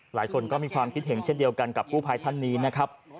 หลายคนก็มีความคิดเห็นเช่นเดียวกันกับกู้ภัยท่านนี้นะครับ